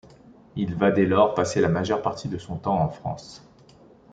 Il va dès lors passer la majeure partie de son temps en France.